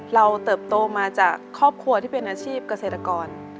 เติบโตมาจากครอบครัวที่เป็นอาชีพเกษตรกร